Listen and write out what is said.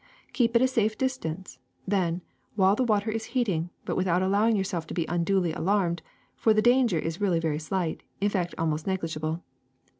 Keep at a safe distance, then, while the water is heating, but without allowing yourselves to be unduly alarmed, for the danger is really very slight, in fact almost negligible.